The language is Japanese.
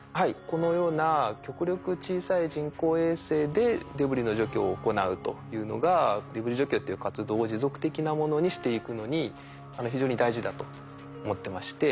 このような極力小さい人工衛星でデブリの除去を行うというのがデブリ除去という活動を持続的なものにしていくのに非常に大事だと思ってまして。